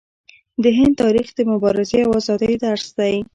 د هند تاریخ د مبارزې او ازادۍ درس دی.